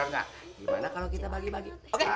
gimana kalau kita bagi bagi